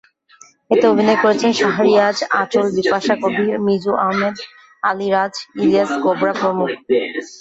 এতে অভিনয় করেছেন শাহরিয়াজ, আঁচল, বিপাশা কবির, মিজু আহমেদ, আলীরাজ, ইলিয়াস কোবরা প্রমুখ।